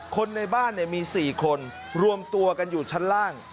คนในบ้านมี๔คนรวมตัวกันอยู่ชั้นล่าง